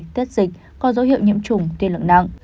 tết dịch có dấu hiệu nhiễm chủng tiên lượng nặng